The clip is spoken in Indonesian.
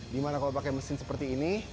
dimana kalau pakai mesin seperti ini